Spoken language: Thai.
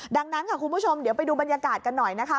ดังนั้นค่ะคุณผู้ชมเดี๋ยวไปดูบรรยากาศกันหน่อยนะคะ